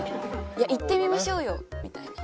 いや行ってみましょうよみたいな